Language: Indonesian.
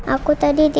aku tadi dijemput papa